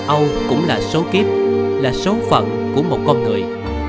âu cũng là số kíp là số phận của một con người